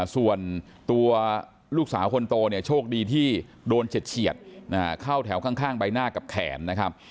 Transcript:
ส่วนตัวลูกสาวคนโตเนี่ยโชคดีที่โดนเฉียดเข้าแถวข้างใบหน้ากับแขนนะครับ